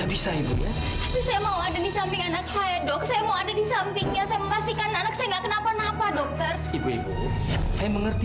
ibu ibu saya mengerti